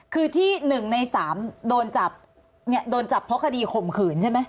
คือที่๑ใน๓โดนจับเนี่ยโดนจับเพราะคดีข่มขืนใช่ไหม